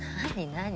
何？